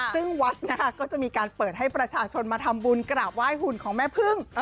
ซึ่งวัดนะคะก็จะมีการเปิดให้ประชาชนมาทำบุญกราบไหว้หุ่นของแม่พึ่ง